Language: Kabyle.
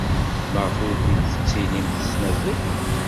Maɣef ur t-id-tettinimt s tmaziɣt?